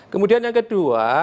kemudian yang kedua